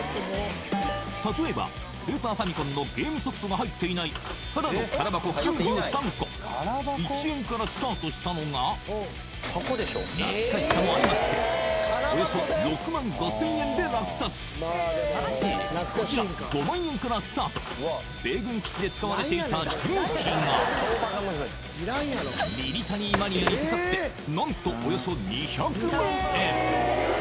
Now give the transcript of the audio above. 例えばスーパーファミコンのゲームソフトが入っていないただの空箱９３個１円からスタートしたのが懐かしさも相まっておよそ６万５０００円で落札こちら５万円からスタート米軍基地で使われていた重機がミリタリーマニアに刺さって何とおよそ２００万円！